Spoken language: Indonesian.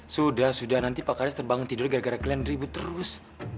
sudah sudah nanti pak karis terbangun tidur gara gara kalian ribut terus